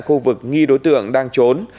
khu vực nghi đối tượng đang trốn